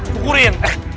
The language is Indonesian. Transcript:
wah tau mikir ini